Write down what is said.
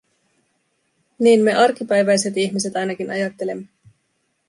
Niin me arkipäiväiset ihmiset ainakin ajattelemme.